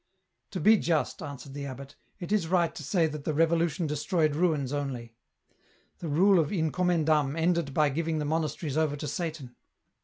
To be just," answered the abbot, " it is right to say that the Revolution destroyed ruins only. The rule of in commendam ended by giving the monasteries over to Satan.